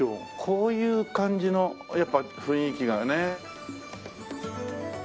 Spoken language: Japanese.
こういう感じのやっぱ雰囲気がね。